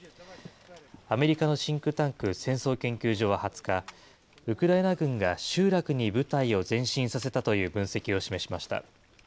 アメリカのシンクタンク、戦争研究所は２０日、ウクライナ軍が集落に部隊を前進させたという分析を示しました。